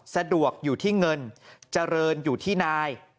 สะดวกอยู่ที่เงินเจริญอยู่ที่นาย